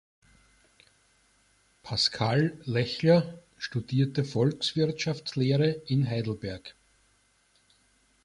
Pascal Lechler studierte Volkswirtschaftslehre in Heidelberg.